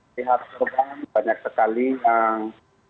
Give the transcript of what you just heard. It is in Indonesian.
sehat terbang banyak sekali yang